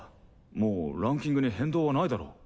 もうランキングに変動はないだろ。